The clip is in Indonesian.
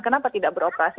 kenapa tidak beroperasi